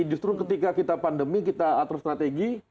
justru ketika kita pandemi kita atur strategi